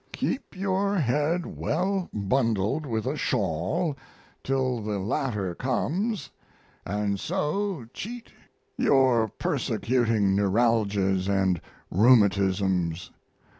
Keep your head well bundled with a shawl till the latter comes, and so cheat your persecuting neuralgias and rheumatisms.